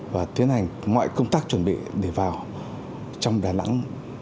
và tiến hành mọi công tác chuẩn bị để vào trong đà nẵng